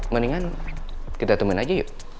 mendingan kita temen aja yuk